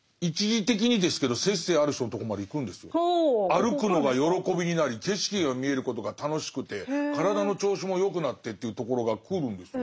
歩くのが喜びになり景色が見えることが楽しくて体の調子も良くなってというところがくるんですよ。